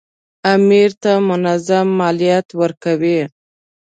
امیر ته منظم مالیات ورکوي.